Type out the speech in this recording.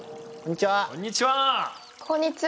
こんにちは。